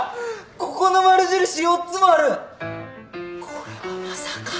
これはまさか。